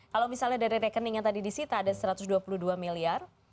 kalau misalnya dari rekening yang tadi disita ada satu ratus dua puluh dua miliar